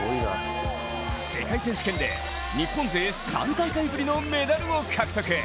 世界選手権で日本勢３大会ぶりのメダルを獲得。